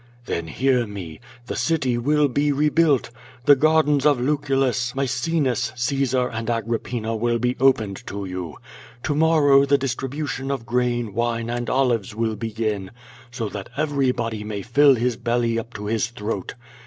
*Then hear me. The city will be rebuilt. The gardens QUO VADI8. 345 of Lucullus, Maecenas^ Caesar, and Agrippina will be opened to you. To morrow the distribution of grain, wine, and olives will begin, so that everybody may fill his belly up to his throat.